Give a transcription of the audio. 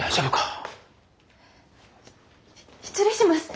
失礼します。